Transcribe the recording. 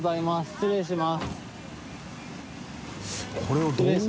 失礼します。